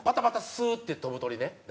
スーッて飛ぶ鳥ね。